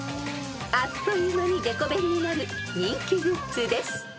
［あっという間にデコ弁になる人気グッズです］